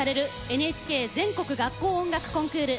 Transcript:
ＮＨＫ全国学校音楽コンクール